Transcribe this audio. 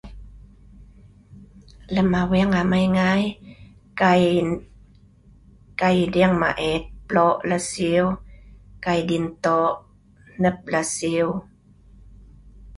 Lem Aweng amai ngai, kai edeng maet ,ploq laksiu, kai din toq hnep laksiu